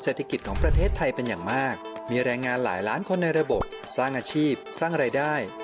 สร้างคนในระบบสร้างอาชีพสร้างรายได้